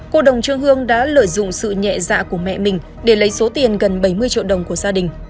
cô đồng trương hương đã lợi dụng sự nhẹ dạ của mẹ mình để lấy số tiền gần bảy mươi triệu đồng của gia đình